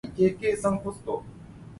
幾若